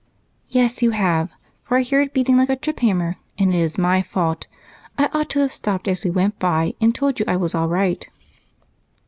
"Yes, you have, for I hear it beating like a trip hammer, and it is my fault I ought to have stopped as we went by and told you I was all right."